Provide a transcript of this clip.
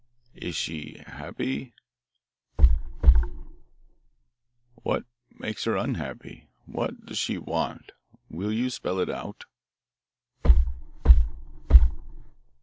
Rap! rap! "Is she happy?" Rap! rap! "What makes her unhappy? What does she want? Will you spell it out?"